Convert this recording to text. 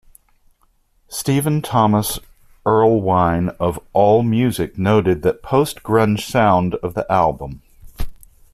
Stephen Thomas Erlewine of AllMusic noted the post-grunge sound of the album.